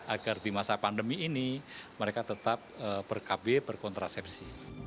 agar di masa pandemi ini mereka tetap berkab berkontrasepsi